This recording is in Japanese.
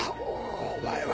お前は。